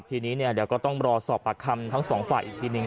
ทีนี้เดี๋ยวก็ต้องรอสอบปากคำทั้งสองฝ่ายอีกทีหนึ่ง